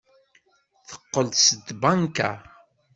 Teqqel-d seg tbanka.